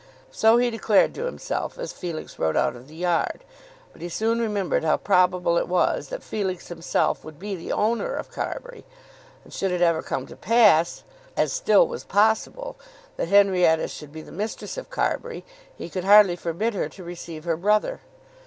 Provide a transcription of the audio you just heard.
So he declared to himself as Felix rode out of the yard; but he soon remembered how probable it was that Felix himself would be the owner of Carbury. And should it ever come to pass, as still was possible, that Henrietta should be the mistress of Carbury, he could hardly forbid her to receive her brother.